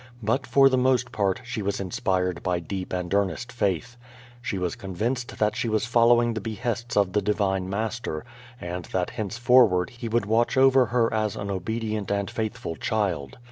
But, for the most part, she was inspired by deep and earnest faith. She was convinced that she was following the behests of the Divine Master, and that henceforward He would watch over her as over an obedient and faithful child.